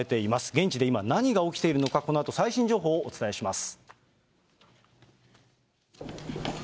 現地で今、何が起きているのか、このあと最新情報をお伝えします。